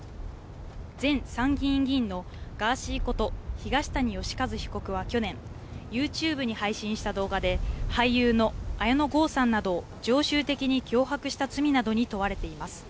前参議院議員のガーシーこと、東谷義和被告は去年、ＹｏｕＴｕｂｅに配信した動画で、俳優の綾野剛さんなどを常習的に脅迫した罪などに問われています。